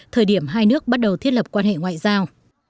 thời điểm hai nước bắt đầu thiết lập quan hệ ngoại giao